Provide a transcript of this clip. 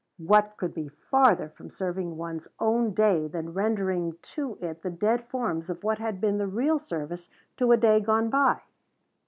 What could be farther from serving one's own day than rendering to it the dead forms of what had been the real service to a day gone by?